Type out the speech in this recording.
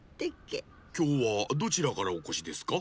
きょうはどちらからおこしですか？